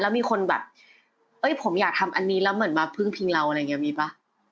แล้วมีคนแบบเอ้ยผมอยากทำอันนี้แล้วเหมือนมาพึ่งพิงเราอะไรอย่างนี้มีป่ะ